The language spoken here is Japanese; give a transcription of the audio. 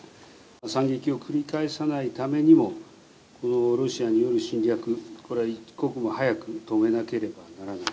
惨劇を繰り返さないためにも、ロシアによる侵略、これは一刻も早く止めなければならない。